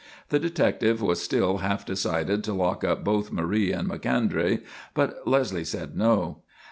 The detective was still half decided to lock up both Marie and Macondray, but Leslie said no.